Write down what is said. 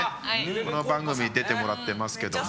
この番組に出てもらってますけども。